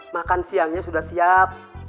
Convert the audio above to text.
makan siangnya sudah siap